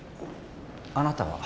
あなたは？